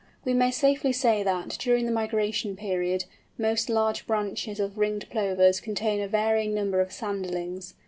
We may safely say that, during the migration period, most large bunches of Ringed Plovers contain a varying number of Sanderlings.